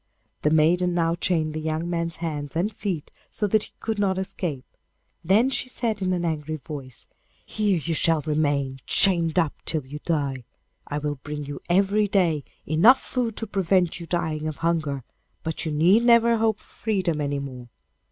The maiden now chained the young man's hands and feet so that he could not escape; then she said in an angry voice, 'Here you shall remain chained up until you die. I will bring you every day enough food to prevent you dying of hunger, but you need never hope for freedom any more.